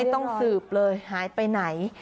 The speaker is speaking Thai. ต้องสืบเลยหายไปไหน